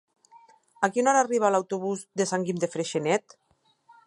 A quina hora arriba l'autobús de Sant Guim de Freixenet?